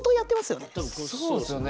そうっすよね。